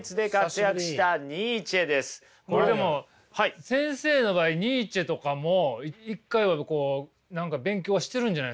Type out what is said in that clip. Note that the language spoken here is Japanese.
これでも先生の場合ニーチェとかも一回はこう何か勉強はしてるんじゃないですか？